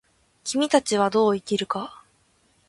君たちはどう生きるか。